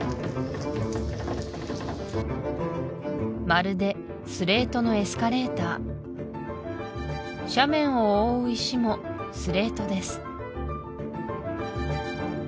まるでスレートのエスカレーター斜面を覆う石もスレートです